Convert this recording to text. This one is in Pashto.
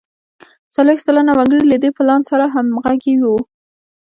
څلوېښت سلنه وګړي له دې پلان سره همغږي وو.